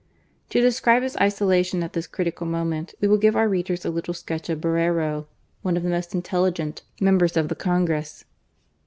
To describe his isolation at this critical moment^ we will give our readers a little sketch of Borrero, one of the most intelligent members of the Congress.